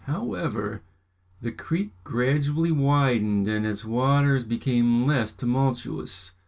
However, the creek gradually widened and its waters became less tumultuous.